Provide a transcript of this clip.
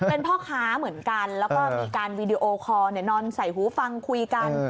เป็นพ่อค้าเหมือนกันแล้วก็มีการวีดีโอคอร์นอนใส่หูฟังคุยกัน